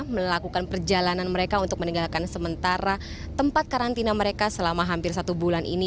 melakukan perjalanan mereka untuk meninggalkan sementara tempat karantina mereka selama hampir satu bulan ini